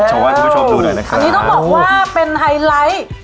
โชวะให้คุณผู้ชมดูด่ายนะคะอันนี้ต้องบอกว่าเป็นไฮไลท์